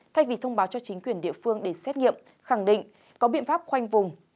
thay vì thông báo cho chính quyền địa phương để xét nghiệm khẳng định có biện pháp khoanh vùng